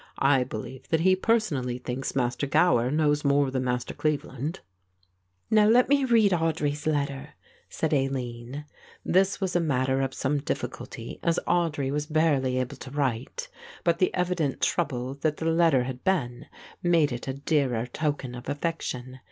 I believe that he personally thinks Master Gower knows more than Master Cleveland." "Now let me read Audry's letter," said Aline. This was a matter of some difficulty, as Audry was barely able to write; but the evident trouble, that the letter had been, made it a dearer token of affection.